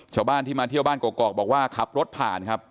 ชาวบ้านที่มาที่บ้านกรอกบอกคลับรถผ่านนะครับ